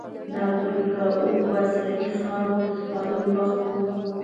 د عبدالرؤف واسعي خاورو ته سپارلو وخت و.